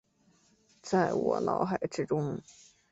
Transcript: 在我脑海之中